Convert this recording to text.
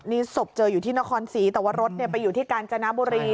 นี่ศพเจออยู่ที่นครศรีแต่ว่ารถไปอยู่ที่กาญจนบุรี